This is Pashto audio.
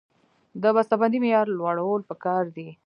د بسته بندۍ معیار لوړول پکار دي